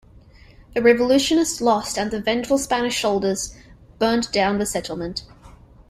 The revolutionists lost and the vengeful Spanish soldiers burned down the settlement.